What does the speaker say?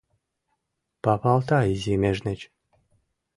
Папалта изи межнеч!